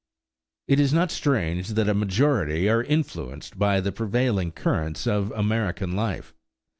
It is not strange that a majority are influenced by the prevailing currents of American life.